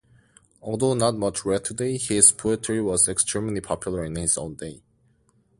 Although not much read today, his poetry was extremely popular in his own day.